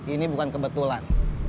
ini bukan kebetulan